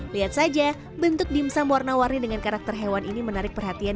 lihat saja bentuk dimsum warna warni dengan karakter hewan ini menarik perhatian